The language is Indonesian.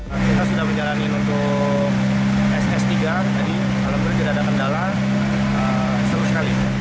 untuk s tiga tadi kalau bener tidak ada kendala seru sekali